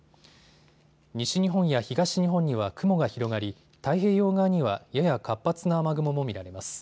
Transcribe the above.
西日本や東日本には雲が広がり太平洋側にはやや活発な雨雲も見られます。